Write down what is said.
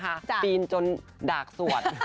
เรากำลังบีปรีนจนดากสวด